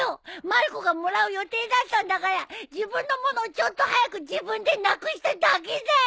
まる子がもらう予定だったんだから自分の物をちょっと早く自分でなくしただけだよ。